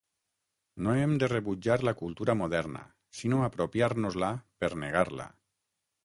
No hem de rebutjar la cultura moderna sinó apropiar-nos-la per negar-la.